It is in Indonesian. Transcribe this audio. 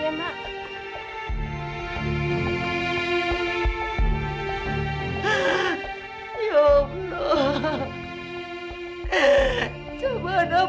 kayaknya ini cocok deh